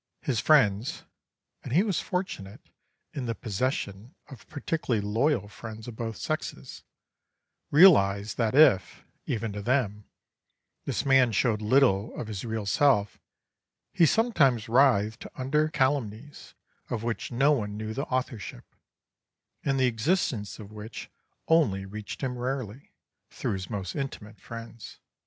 His friends (and he was fortunate in the possession of particularly loyal friends of both sexes) realised that if, even to them, this man showed little of his real self, he sometimes writhed under calumnies of which no one knew the authorship, and the existence of which only reached him rarely, through his most intimate friends.